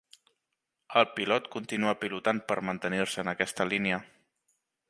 El pilot continua pilotant per mantenir-se en aquesta línia.